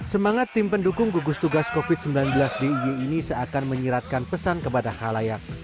semangat tim pendukung gugus tugas covid sembilan belas d i y ini seakan menyiratkan pesan kepada halayak